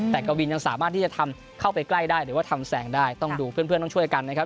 แต่กวินยังสามารถที่จะทำเข้าไปใกล้ได้หรือว่าทำแสงได้ต้องดูเพื่อนต้องช่วยกันนะครับ